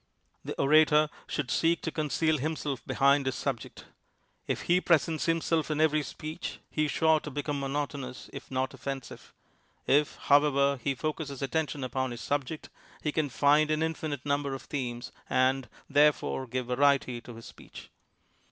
The orator should seek to conceal himself behind his subject. If he presents himself in every speech he is sure to become monotonous, if not offensive. If, however, he focuses attention upon his subject, he can find an infinite number of themes and, therefore, give variety to his speech.